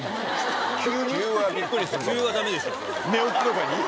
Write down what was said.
寝起きとかに？